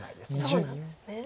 そうなんですね。